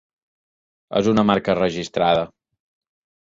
És una marca registrada.